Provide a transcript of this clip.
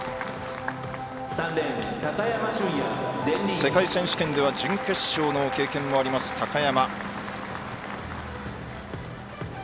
世界選手権では準決勝の経験もある高山。